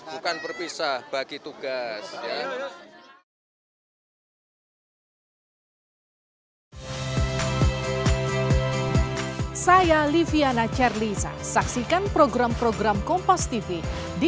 bukan berpisah dengan pak prabowo pak